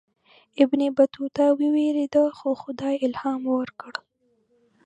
ابن بطوطه ووېرېدی خو خدای الهام ورکړ.